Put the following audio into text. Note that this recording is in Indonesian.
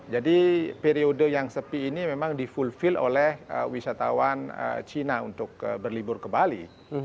jadi periode yang sepi ini memang di fulfill oleh wisatawan cina untuk berlibur ke bali